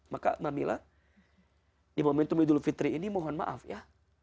maka mbak mila di momentum idul fitri ini mohon maaf ya